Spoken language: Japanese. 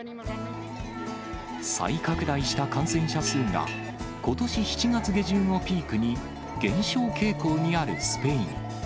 再拡大した感染者数が、ことし７月下旬をピークに、減少傾向にあるスペイン。